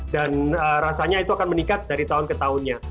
dan rasanya itu akan meningkat dari tahun ke tahunnya